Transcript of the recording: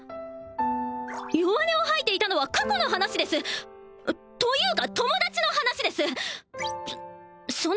弱音を吐いていたのは過去の話ですというか友達の話ですそ